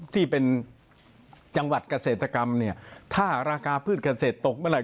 ที่จังหวัดเกษตรกรรมเนี่ยถ้าราคาพืชเกษตรตกเมื่อไห